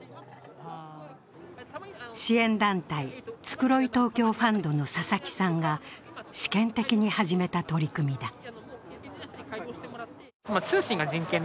支援団体、つくろい東京ファンドの佐々木さんが試験的に始めた取り組みだ。